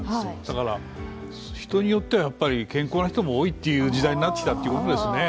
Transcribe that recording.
だから、人によっては健康な人も多いという時代になってきたということですね